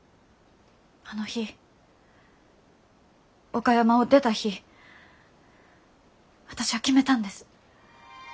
あの日岡山を出た日私は決めたんです。